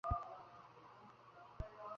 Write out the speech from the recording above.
কবে লণ্ডনে পৌঁছিব, তাহা আপনাকে তার করিয়া জানাইব।